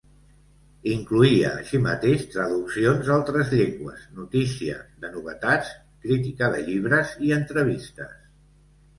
Incloïa, així mateix, traduccions d'altres llengües, notícia de novetats, crítica de llibres i entrevistes.